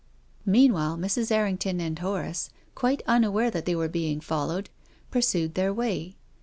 Meanwhile, Mrs. Errington and Horace, quite unaware that they were being followed, pursued their way.